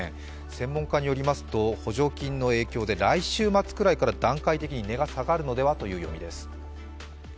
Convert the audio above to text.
専門家によりますと補助金の影響で段階的に値が下がるのではという読みです。